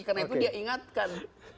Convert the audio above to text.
karena itu dia ingatkan